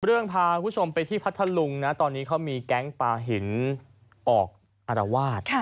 พาคุณผู้ชมไปที่พัทธลุงนะตอนนี้เขามีแก๊งปลาหินออกอารวาส